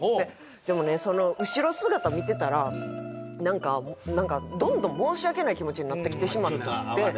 でもねその後ろ姿見てたらなんかどんどん申し訳ない気持ちになってきてしまって。